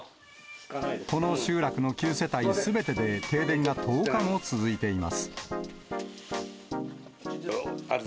この集落の９世帯すべてで、停電が１０日も続いています。